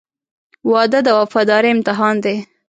• واده د وفادارۍ امتحان دی.